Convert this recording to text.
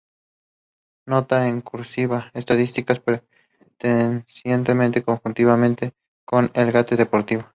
Nota: En "cursiva", estadísticas pertenecientes conjuntamente con el Getafe Deportivo.